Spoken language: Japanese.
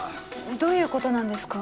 どういうことなんですか？